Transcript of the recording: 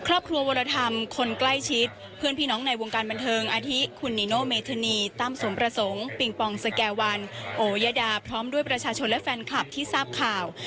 วรธรรมคนใกล้ชิดเพื่อนพี่น้องในวงการบันเทิงอาทิคุณนิโนเมธานีตั้มสมประสงค์ปิงปองสแก่วันโอยดาพร้อมด้วยประชาชนและแฟนคลับที่ทราบข่าว